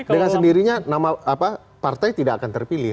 dengan sendirinya nama partai tidak akan terpilih